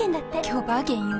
今日バーゲンよ。